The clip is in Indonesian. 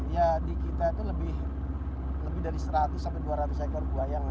ya di kita itu lebih dari seratus dua ratus ekor buaya yang masih ada di dalam sekitar kawasan itu